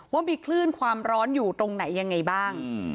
ว่ามีคลื่นความร้อนอยู่ตรงไหนยังไงบ้าง